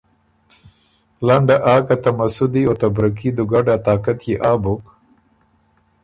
لنډه آ که ته مسودی او ته برکي دُوګډ ا طاقت يې آ بُک